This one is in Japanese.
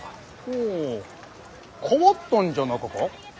ほう替わったんじゃなかか？